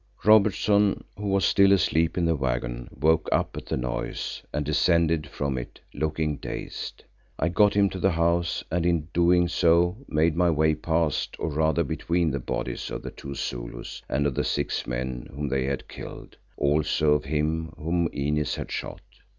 Robertson, who was still asleep in the waggon, woke up at the noise, and descended from it, looking dazed. I got him to the house and in doing so made my way past, or rather between the bodies of the two Zulus and of the six men whom they had killed, also of him whom Inez had shot.